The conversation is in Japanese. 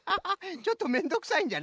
ちょっとめんどくさいんじゃな。